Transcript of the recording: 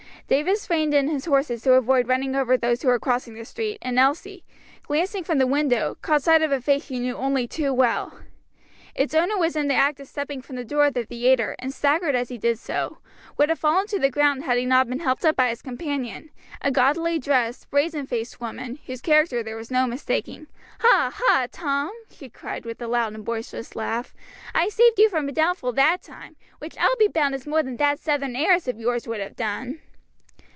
Davis reined in his horses to avoid running over those who were crossing the street, and Elsie, glancing from the window, caught sight of a face she knew only too well. Its owner was in the act of stepping from the door of the theatre, and staggered as he did so would have fallen to the ground had he not been held up by his companion, a gaudily dressed, brazen faced woman, whose character there was no mistaking. "Ha, ha, Tom!" she cried, with a loud and boisterous laugh, "I saved you from a downfall that time; which I'll be bound is more than that Southern heiress of yours would have done."